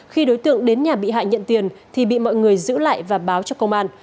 khi đối tượng đến nhà bị hại nhận tiền thì bị mọi người giữ lại và báo cho công an